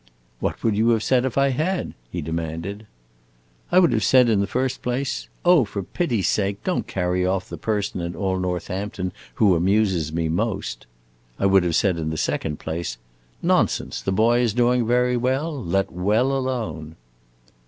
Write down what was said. "What would you have said, if I had?" he demanded. "I would have said in the first place, 'Oh for pity's sake don't carry off the person in all Northampton who amuses me most!' I would have said in the second place, 'Nonsense! the boy is doing very well. Let well alone!